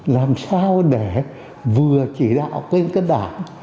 làm sao để vừa chỉ đạo kênh cất đảng